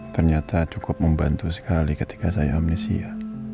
ternyata cukup membantu sekali ketika saya amnesia